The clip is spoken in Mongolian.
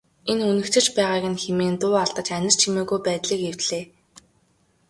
Энэ үнэгчилж байгааг нь хэмээн дуу алдаж анир чимээгүй байдлыг эвдлээ.